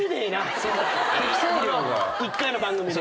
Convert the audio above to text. １回の番組で。